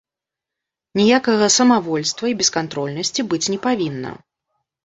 Ніякага самавольства і бескантрольнасці быць не павінна.